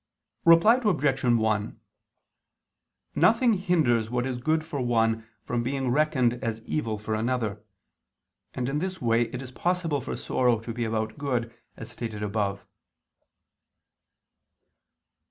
Reply Obj. 1: Nothing hinders what is good for one from being reckoned as evil for another: and in this way it is possible for sorrow to be about good, as stated above.